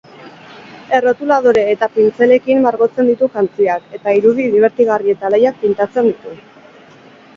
Errotuladore eta pintzelekin margotzen ditu jantziak eta irudi dibertigarri eta alaiak pintatzen ditu.